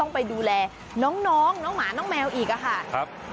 ไปดูแลน้องน้องหมาน้องแมวอีกค่ะ